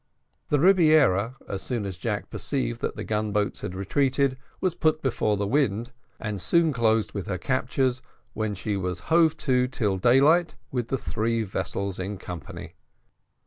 The Rebiera, as soon as Jack perceived that the gun boats had retreated, was put before the wind, and soon closed with her captures, when she was hove to till daylight with the three vessels in company.